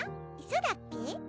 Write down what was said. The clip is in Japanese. そだっけ？